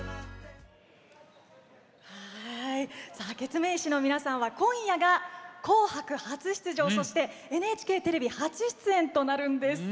ケツメイシの皆さんは今夜が紅白初出場、そしてＮＨＫテレビ初出演となります。